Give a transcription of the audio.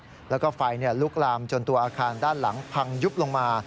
ปีดน้ำสกัดแล้วก็ไฟลุกลามจนตัวอาคารด้านหลังพังยุบลงมา